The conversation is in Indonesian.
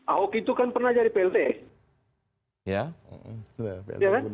ahok itu kan pernah jadi plt